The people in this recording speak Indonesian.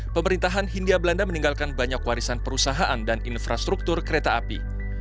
pemerintahan hindia belanda meninggalkan banyak warisan perusahaan dan infrastruktur kereta api